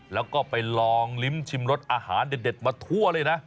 แล้วก็ไปลองลิ้มชิมรสอาหารเด็ดมาทั่วเลยนะ